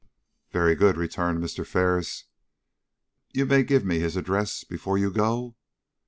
"Very good," returned Mr. Ferris. "You may give me his address before you go."